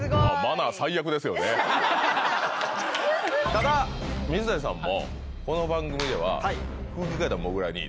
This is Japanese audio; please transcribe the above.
ただ水谷さんもこの番組では。